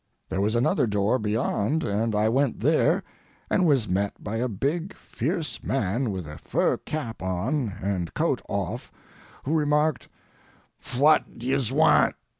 There was another door beyond and I went there, and was met by a big, fierce man with a fur cap on and coat off, who remarked, "Phwat do yez want?"